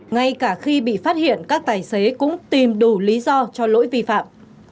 ngay cả khi bị phát hiện các tài xế cũng tìm đủ lý do cho lỗi vi phạm